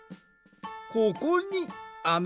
ここにあ